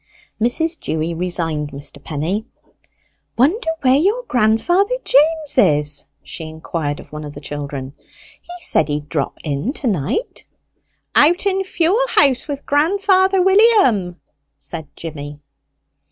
Mrs. Dewy resigned Mr. Penny. "Wonder where your grandfather James is?" she inquired of one of the children. "He said he'd drop in to night." "Out in fuel house with grandfather William," said Jimmy.